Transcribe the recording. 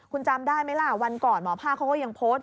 คุณจำได้ไหมล่ะวันก่อนหมอภาคเขาก็ยังโพสต์